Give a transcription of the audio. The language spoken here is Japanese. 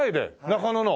中野の？